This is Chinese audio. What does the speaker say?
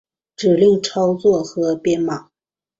指令操作和编码